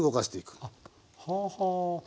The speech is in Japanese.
はあはあ。